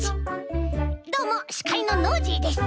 どうもしかいのノージーです！